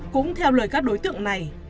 cũng theo lời các đối tượng này